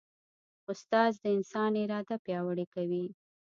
استاد د انسان اراده پیاوړې کوي.